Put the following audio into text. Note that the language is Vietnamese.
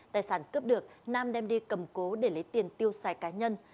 tài sản cướp được nam đem đi cầm cố để lấy tiền tiêu xài cá nhân